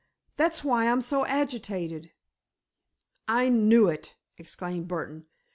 That's why I'm so agitated." "I knew it!" exclaimed Burdon.